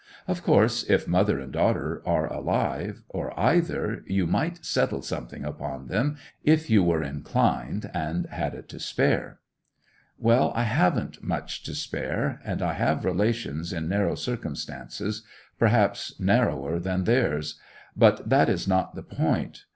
Of course, if mother and daughter are alive, or either, you might settle something upon them, if you were inclined, and had it to spare.' 'Well, I haven't much to spare; and I have relations in narrow circumstances—perhaps narrower than theirs. But that is not the point.